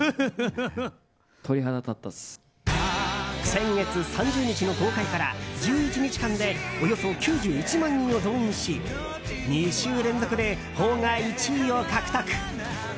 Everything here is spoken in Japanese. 先月３０日の公開から１１日間でおよそ９１万人を動員し２週連続で邦画１位を獲得。